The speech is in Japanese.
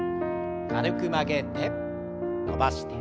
軽く曲げて伸ばして。